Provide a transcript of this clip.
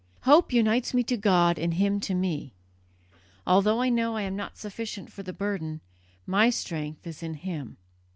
Hope unites me to God and Him to me. Although I know I am not sufficient for the burden, my strength is in Him.